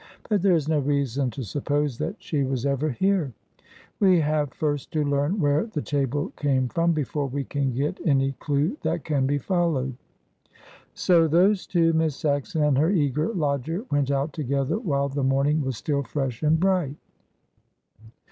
But there is no reason to suppose that she was ever here. We have first to learn where the table came from before we can get any clue that can be followed." So those two, Miss Saxon and her eager lodger, went out together while the morning was still fresh and bright.